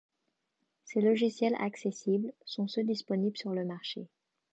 Ces logiciels accessibles sont ceux disponibles sur le marché.